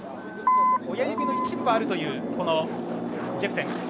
親指の一部はあるというジェプセン。